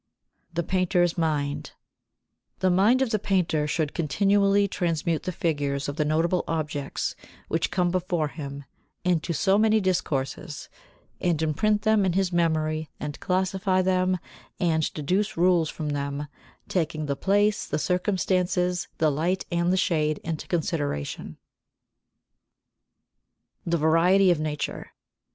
[Sidenote: The Painter's Mind] 68. The mind of the painter should continually transmute the figure of the notable objects which come before him into so many discourses; and imprint them in his memory and classify them and deduce rules from them, taking the place, the circumstances, the light and the shade into consideration. [Sidenote: The Variety of Nature] 69.